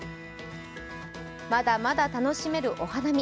まだまだ楽しめるお花見。